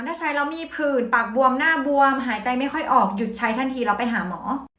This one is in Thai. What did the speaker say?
ถ้าใช้แล้วมีผื่นปากบวมหน้าบวมหายใจไม่ค่อยออกหยุดใช้ทันทีเราไปหาหมอ